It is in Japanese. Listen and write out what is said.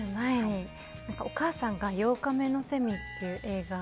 お母さんが「八日目の蝉」っていう映画に。